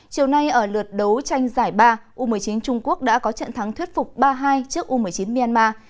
chiều nay ở lượt đấu tranh giải ba u một mươi chín trung quốc đã có trận thắng thuyết phục ba hai trước u một mươi chín myanmar